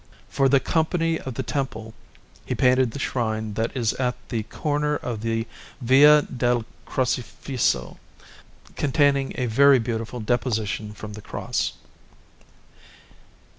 For the Company of the Temple he painted the shrine that is at the corner of the Via del Crocifisso, containing a very beautiful Deposition from the Cross.